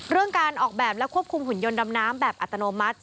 การออกแบบและควบคุมหุ่นยนต์ดำน้ำแบบอัตโนมัติ